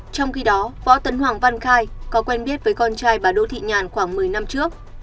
trong khi đó võ tấn hoàng văn khai có quen biết với con trai bà đỗ thị nhàn khoảng một mươi năm trước